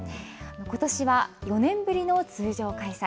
ことしは４年ぶりの通常開催。